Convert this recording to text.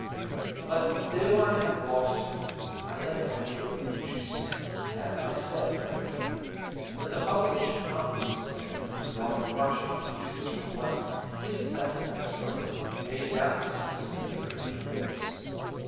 But, though I have lost her, I am naturally anxious (as I said when I began) that the public should not be misled into drawing harsh conclusions from what, if left unexplained, may doubtless have a singular appearance.